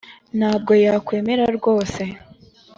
ntabwo yakwemera rwose